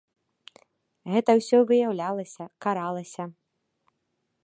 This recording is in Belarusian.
Гэта ўсё выяўлялася, каралася.